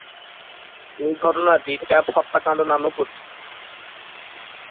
এই ঘটনাটি ট্যাপ হত্যাকাণ্ড নামেও পরিচিত।